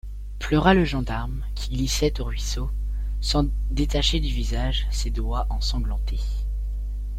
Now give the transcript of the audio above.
Pleura le gendarme, qui glissait au ruisseau, sans détacher du visage ses doigts ensanglantés.